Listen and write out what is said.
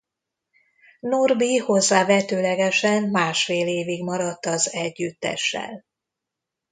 Norbi hozzávetőlegesen másfél évig maradt az együttessel.